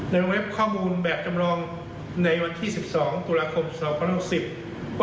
เว็บข้อมูลแบบจำลองในวันที่สิบสองตุลาคมสองพันหกสิบ